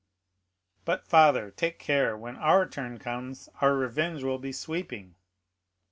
'" "But, father, take care; when our turn comes, our revenge will be sweeping."